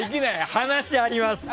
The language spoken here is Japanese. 話あります。